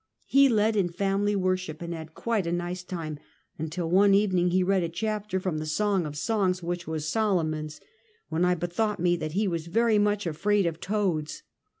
He led in family worship, and had quite a nice time, nntil one evening he read a chapter from the song of songs which was Solomon's, when I bethought me that he was very much afraid of toads.